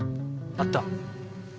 あった！